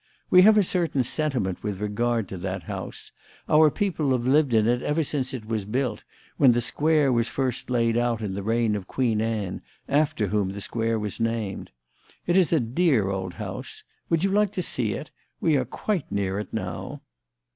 We have a certain sentiment with regard to that house. Our people have lived in it ever since it was built, when the square was first laid out in the reign of Queen Anne, after whom the square was named. It is a dear old house. Would you like to see it? We are quite near it now."